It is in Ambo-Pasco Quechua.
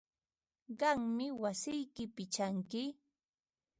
Qammi wasiyki pichanki.